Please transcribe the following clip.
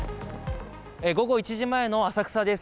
午後１時前の浅草です。